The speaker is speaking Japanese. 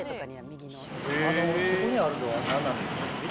ここにあるのは何なんですか。